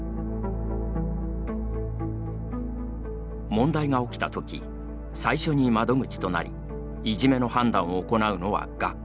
問題が起きたとき最初に窓口となりいじめの判断を行うのは学校です。